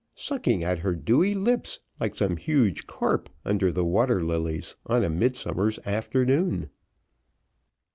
_ sucking at her dewy lips like some huge carp under the water lilies on a midsummer's afternoon.